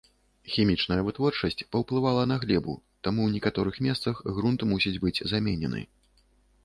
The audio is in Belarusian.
Хімічная вытворчасць паўплывала на глебу, таму ў некаторых месцах грунт мусіць быць заменены.